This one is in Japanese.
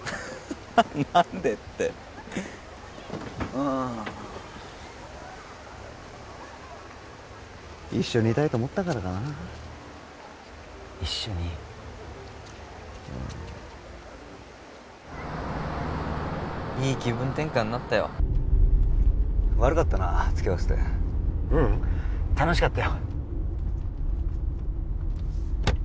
何でってうん一緒にいたいと思ったからかな一緒にいい気分転換になったよ悪かったなつきあわせてううん楽しかったよ